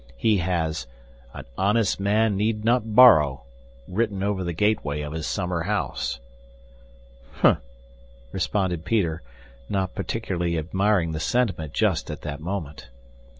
He has 'An honest man need not borrow' written over the gateway of his summer house." "Humph!" responded Peter, not particularly admiring the sentiment just at that moment.